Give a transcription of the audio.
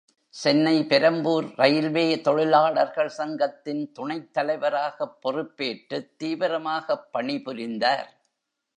Chennai Perambur railway தொழிலாளர்கள் சங்கத்தின் துணைத் தலைவராகப் பொறுப்பேற்றுத் தீவிரமாகப் பணி புரிந்தார்.